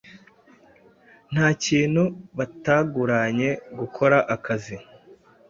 nta kintu bataguranye gukora akazi